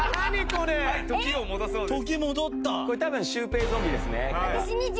これ多分シュウペイゾンビですね。